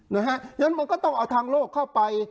เพราะฉะนั้นมันก็ต้องเอาทางโลกเข้าไป